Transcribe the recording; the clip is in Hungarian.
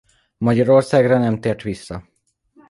Magyarországra nem tért vissza.